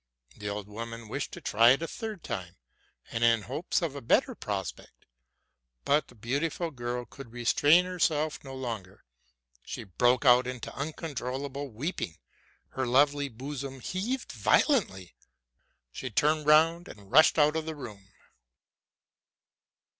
The old woman wished to try it a third time, in hopes of a better prospect ; but the beautiful girl could restrain herself no longer, —she broke out into uncontrollable weeping, her lovely bosom heaved violently, she turned round, and rushed out of the room.